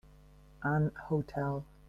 An hotel.